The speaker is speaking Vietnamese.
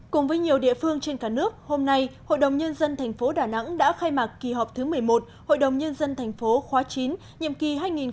cùng với nhiều địa phương trên cả nước hôm nay hội đồng nhân dân thành phố đà nẵng đã khai mạc kỳ họp thứ một mươi một hội đồng nhân dân tp khóa chín nhiệm kỳ hai nghìn một mươi sáu hai nghìn hai mươi một